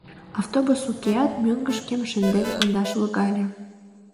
— Автобус укеат, мӧҥгышкем шынден кондаш логале.